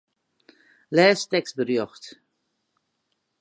Lês tekstberjocht.